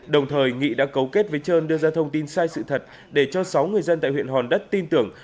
đồng thời nghị đã cấu kết với trơn đưa ra thông tin sai sự thật để cho sáu người dân tại huyện hòn đất tin tưởng